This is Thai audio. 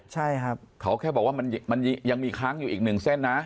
ใช่ครับเขาแค่บอกว่ามันยังมีค้างอยู่อีกหนึ่งเส้นนะ